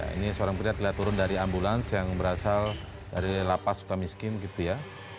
ini seorang pria terlihat turun dari ambulans yang berasal dari lapas suka miskin gitu ya